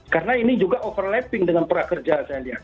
karena ini juga overlapping dengan prakerja saya lihat